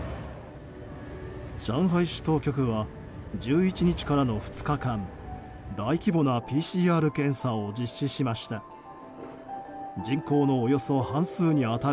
上海市当局は１１日からの２日間大規模なＰＣＲ検査を実施しました。